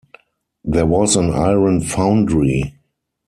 There was an iron foundry.